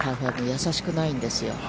優しくないんですよ。